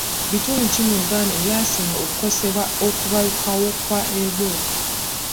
Bitundu ki mu Uganda ebyasinga okukosebwa okubalukawo kwa Ebola?